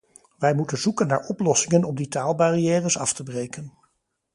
Wij moeten zoeken naar oplossingen om die taalbarrières af te breken.